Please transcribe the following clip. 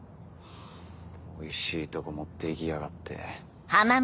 おいしいとこ持っていきやがって。